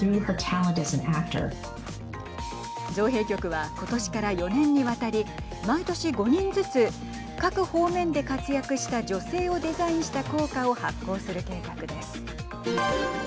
造幣局は今年から４年にわたり毎年、５人ずつ各方面で活躍した女性をデザインした硬貨を発行する計画です。